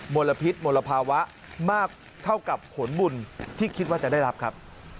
ลพิษมลภาวะมากเท่ากับผลบุญที่คิดว่าจะได้รับครับ